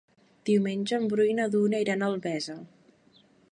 Diumenge en Bru i na Dúnia iran a Albesa.